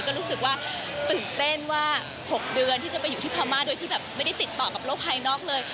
ก็รู้สึกว่าตื่นเต้นว่า๖เดือนที่จะไปอยู่ที่พม่าโดยที่แบบไม่ได้ติดต่อกับโลกภายนอกเลย